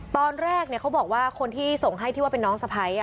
ตอนแรกเขาบอกว่าคนที่ส่งให้ที่ว่าเป็นน้องสะพ้าย